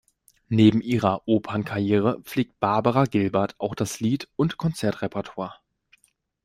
Neben ihrer Opernkarriere pflegt Barbara Gilbert auch das Lied- und Konzertrepertoire.